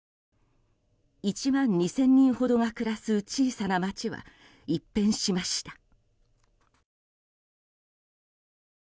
１万２０００人ほどが暮らす小さな街は一変しました。